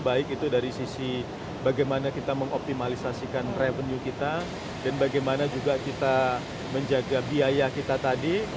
baik itu dari sisi bagaimana kita mengoptimalisasikan revenue kita dan bagaimana juga kita menjaga biaya kita tadi